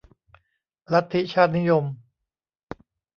ลัทธิชาตินิยม